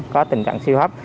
có tình trạng siêu hấp